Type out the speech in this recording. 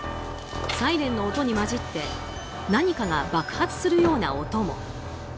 サイレンの音に混じって何かが爆発するような音も。